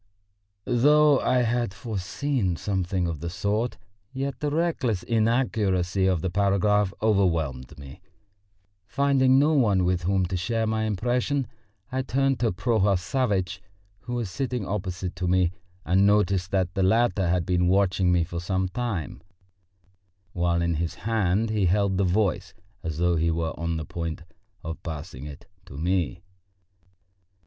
Though I had foreseen something of the sort, yet the reckless inaccuracy of the paragraph overwhelmed me. Finding no one with whom to share my impression, I turned to Prohor Savvitch who was sitting opposite to me, and noticed that the latter had been watching me for some time, while in his hand he held the Voice as though he were on the point of passing it to me.